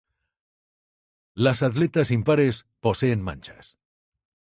Las aletas impares poseen manchas.